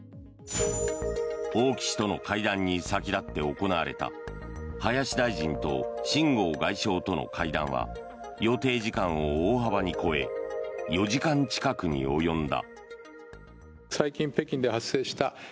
王毅氏との会談に先立って行われた林大臣と秦剛外相との会談は予定時間を大幅に超え４時間近くに及んだ。